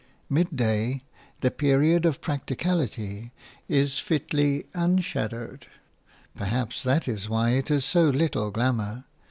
Midday, the period of practicality, is fitly unshadowed; perhaps that is why it has so little glamour.